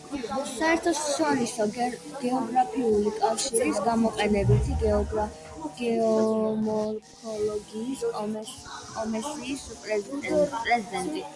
საერთაშორისო გეოგრაფიული კავშირის გამოყენებითი გეომორფოლოგიის კომისიის პრეზიდენტი.